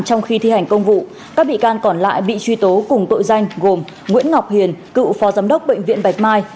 trong khi thi hành công vụ các bị can còn lại bị truy tố cùng tội danh gồm nguyễn ngọc hiền cựu phó giám đốc bệnh viện bạch mai